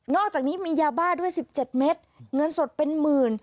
อกจากนี้มียาบ้าด้วย๑๗เมตรเงินสดเป็นหมื่น